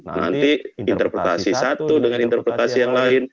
nanti interpretasi satu dengan interpretasi yang lain